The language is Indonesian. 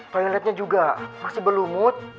toiletnya juga masih berlumut